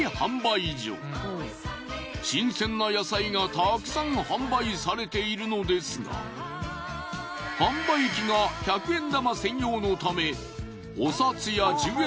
新鮮な野菜がたくさん販売されているのですが販売機が１００円玉専用のため。